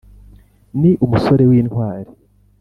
Ni umusore w intwari